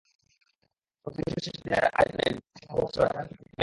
সংগীত দিবসের শেষ দিনের আয়োজনে সেখানে হাজির হয়েছিল ঢাকার বেশ কয়েকটি ব্যান্ড।